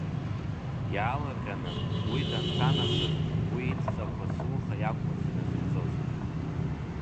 Иаалырҟьаны уи данцанахыс уи идҵақәа Суха иакәмыз иназыгӡоз.